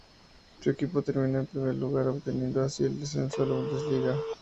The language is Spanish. Su equipo terminó en primer lugar, obteniendo así el ascenso a la Bundesliga.